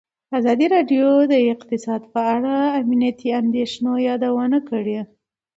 ازادي راډیو د اقتصاد په اړه د امنیتي اندېښنو یادونه کړې.